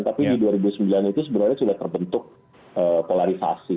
tapi di dua ribu sembilan itu sebenarnya sudah terbentuk polarisasi